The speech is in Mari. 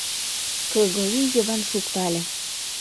Кыргорий Йыван шуктале.